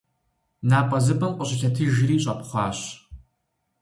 НапӀэзыпӀэм къыщылъэтыжри, щӀэпхъуащ.